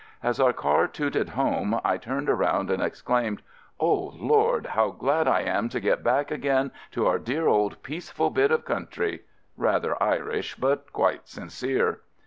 As our car tooted home, I turned around and exclaimed :— "Oh, Lord! how glad I am to get back again to our dear old peaceful bit of coun try !"— rather Irish but quite sincere.